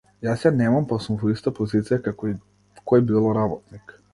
Јас ја немам, па сум во иста позиција како и кој било работник.